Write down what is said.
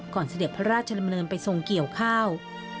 เสด็จพระราชดำเนินไปทรงเกี่ยวข้าว